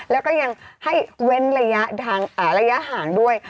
แล้วก็ยังให้เว้นระยะห่างด้วย